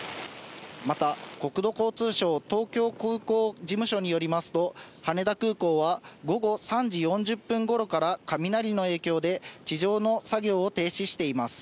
また、国土交通省東京空港事務所によりますと、羽田空港は午後３時４０分ごろから雷の影響で、地上の作業を停止しています。